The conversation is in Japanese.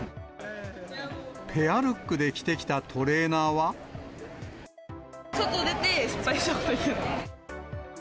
ペアルックで着てきたトレー外出て、失敗したことに気付いた。